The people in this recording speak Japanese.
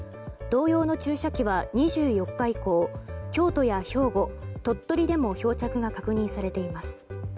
同様の注射器は２４日以降京都や兵庫、鳥取でも漂着が確認されています。